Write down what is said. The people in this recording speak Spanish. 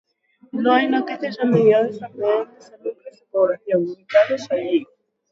No hay noticias anteriores referentes a núcleos de población ubicados allí.